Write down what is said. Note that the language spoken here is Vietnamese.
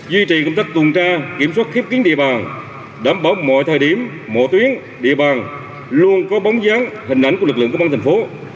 duy trì công tác tuần tra kiểm soát khép kiến địa bàn đảm bảo mọi thời điểm mọi tuyến địa bàn luôn có bóng dáng hình ảnh của lực lượng công an thành phố